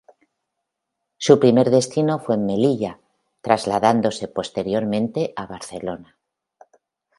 Su primer destino fue en Melilla, trasladándose posteriormente a Barcelona.